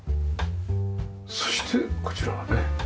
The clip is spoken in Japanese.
そしてこちらがね。